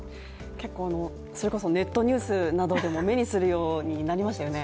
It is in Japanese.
結構、それこそネットニュースなどでも目にするようになりましたよね。